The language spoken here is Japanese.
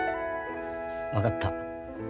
分かった。